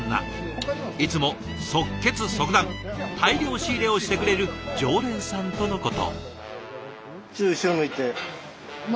いつも即決即断大量仕入れをしてくれる常連さんとのこと。